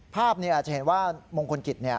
ภาพเนี่ยอาจจะเห็นว่ามงคลกิจเนี่ย